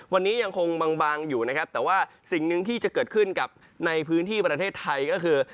วันนี้ยังคงบางอยู่นะครับแต่ว่าสิ่งหนึ่งที่จะเกิดขึ้นกับในพื้นที่ประเทศไทยก็คือ